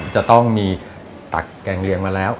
จะต้องมีตักแกงเรียงมาแล้ว